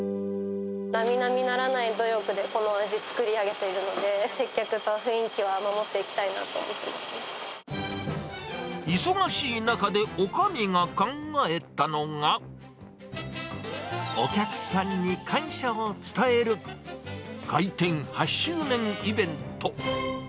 なみなみならない努力でこの味、作り上げているので、接客と雰囲気は守っていきたいなと思い忙しい中でおかみが考えたのが、お客さんに感謝を伝える、開店８周年イベント。